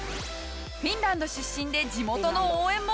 フィンランド出身で地元の応援も。